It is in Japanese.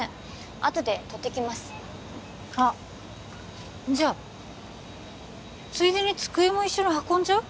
あとで取ってきますあっじゃあついでに机も一緒に運んじゃう？